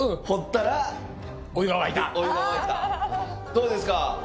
どうですか？